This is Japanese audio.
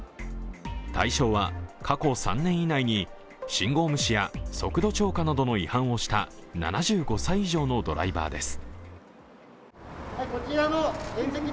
対象は過去３年以内に信号無視や速度超過などの違反をした７５歳以上のドライバーです。